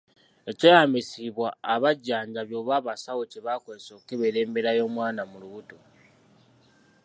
Ekyeyambisibwa abajjanjabi oba abasawo kye bakozesa okukebera embeera y'omwana mu lubuto.